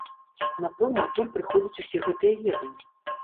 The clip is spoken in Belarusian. Напэўна, адтуль прыходзяць усе гэтыя веды.